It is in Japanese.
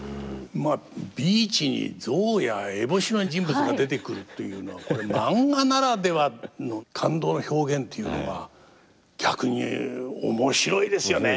ビーチに象や烏帽子の人物が出てくるというのはこれマンガならではの感動の表現っていうのは逆に面白いですよね。